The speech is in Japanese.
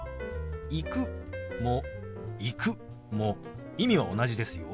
「行く」も「行く」も意味は同じですよ。